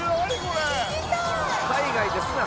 海外ですな！